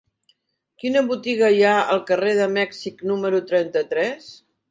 Quina botiga hi ha al carrer de Mèxic número trenta-tres?